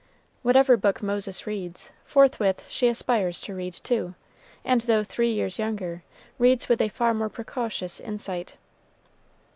Whatever book Moses reads, forthwith she aspires to read too, and though three years younger, reads with a far more precocious insight.